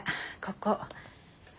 ここ。